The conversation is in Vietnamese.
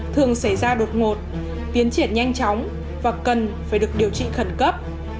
thường xảy ra đột ngột tiến triển nhanh chóng và cần phải được điều trị khẩn cấp